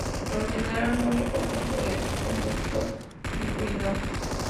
Por lo general, no recorren por el conducto inguinal.